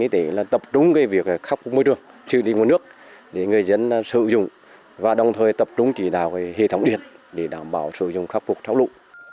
tập trung việc khắc phục môi trường xử lý nguồn nước để người dân sử dụng và đồng thời tập trung chỉ đào hệ thống điện để đảm bảo sử dụng khắc phục tháo lụ